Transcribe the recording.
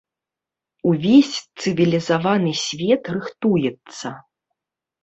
Увесь цывілізаваны свет рыхтуецца.